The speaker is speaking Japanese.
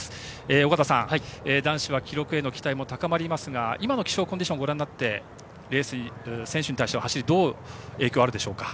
尾方さん、男子は記録への期待も高まりますが今の気象コンディションご覧になって、選手たちの走りはどう影響があるでしょうか。